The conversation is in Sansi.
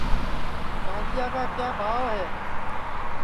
چاندیا کا کیا بھاو ہے